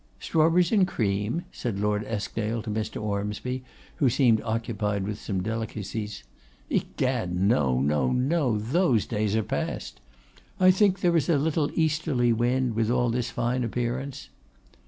'Strawberries and cream?' said Lord Eskdale to Mr. Ormsby, who seemed occupied with some delicacies. 'Egad! no, no, no; those days are passed. I think there is a little easterly wind with all this fine appearance.